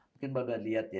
mungkin baru lihat ya